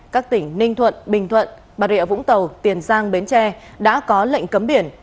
các tỉnh ninh thuận bình thuận bà rịa vũng tàu tiền giang bến tre đã có lệnh cấm biển